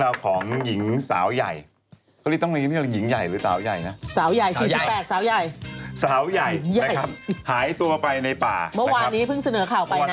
สาวใหญ่๔๘สาวใหญ่สาวใหญ่นะครับหายตัวไปในป่านะครับเมื่อวานนี้เพิ่งเสนอข่าวไปนะ